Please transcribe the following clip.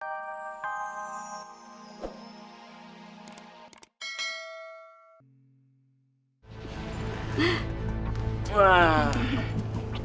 aku bukan gita